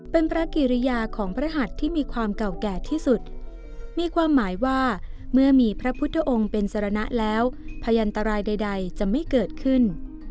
เป็นพระกิริยาของพระหัสที่มีความเก่าแก่ที่สุดมีความหมายว่าเมื่อมีพระพุทธองค์เป็นสรณะแล้วพยันตรายใดจะไม่เกิดขึ้น